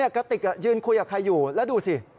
กระติกยืนคุยกับใครอยู่แล้วดูสิ